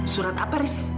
surat apa ris